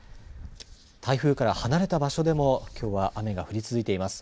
台風から離れた場所でもきょうは雨が降り続いています。